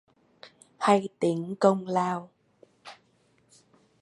Hay tính công lao